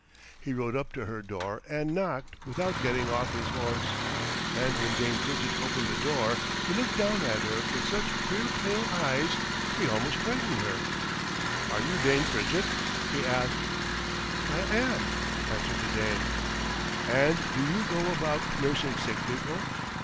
He rode up to her door and knocked without getting off his horse, and when Dame Pridgett opened the door he looked down at her with such queer pale eyes he almost frightened her. "Are you Dame Pridgett?" he asked. "I am," answered the dame. "And do you go about nursing sick people?"